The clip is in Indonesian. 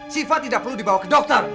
siva tidak perlu dibawa ke dokter